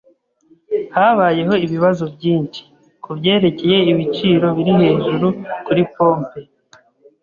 Habayeho ibibazo byinshi kubyerekeye ibiciro biri hejuru kuri pompe.